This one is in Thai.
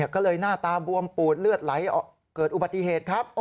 ก็เลยหน้าตาบวมปูดเลือดไหลเกิดอุบัติเหตุครับ